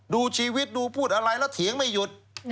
ดูชีวิตดูพูดอะไรแล้วเถียงไม่หยุด